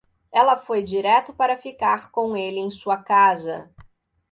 Ela foi direto para ficar com ele em sua casa.